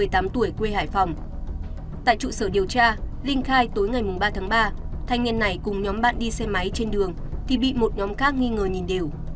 tại trụ sở điều tra linh khai tối ngày ba tháng ba thanh niên này cùng nhóm bạn đi xe máy trên đường thì bị một nhóm khác nghi ngờ nhìn đều